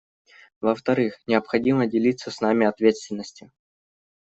Во-вторых, необходимо делиться с нами ответственностью.